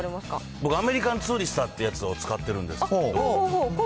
僕、アメリカンツーリスターってやつを使ってるんですけど。